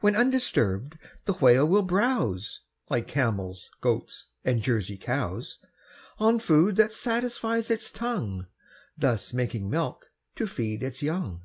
When undisturbed, the Whale will browse Like camels, goats, and Jersey cows, On food that satisfies its tongue, Thus making milk to feed its young.